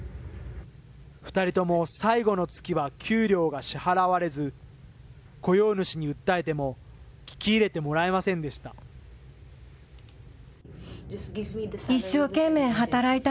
２人とも最後の月は給料が支払われず、雇用主に訴えても、聞き入れてもらえませんでした。